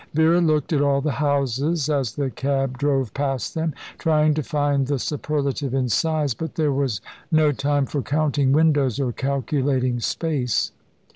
Vera looked at all the houses as the cab drove past them, trying to find the superlative in size; but there was no time for counting windows or calculating space.